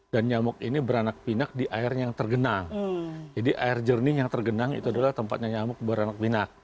dan nyamuk ini beranak pinak di air yang tergenang jadi air jernih yang tergenang itu adalah tempatnya nyamuk beranak pinak